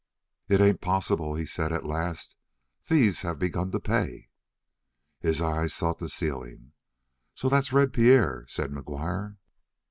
"It ain't possible," he said at last, "thieves have begun to pay." His eyes sought the ceiling. "So that's Red Pierre?" said McGuire.